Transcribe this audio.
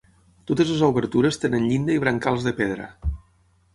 Totes les obertures tenen llinda i brancals de pedra.